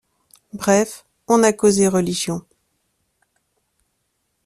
Bref: on a causé religion.